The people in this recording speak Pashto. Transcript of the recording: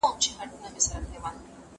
هڅه او هاند د بریا کیلي ده.